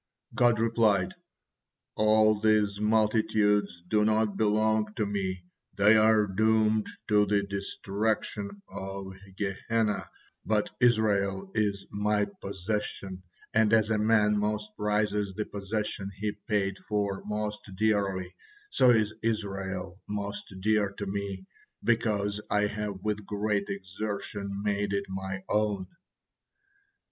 God replied: "All these multitudes do not belong to Me, they are doomed to the destruction of Gehenna, but Israel is My possession, and as a man most prizes the possession he paid for most dearly, so is Israel most dear to Me, because I have with great exertions made it My own."